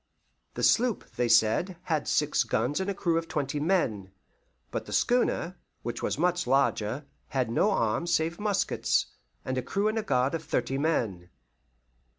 The sloop, they said, had six guns and a crew of twenty men; but the schooner, which was much larger, had no arms save muskets, and a crew and guard of thirty men.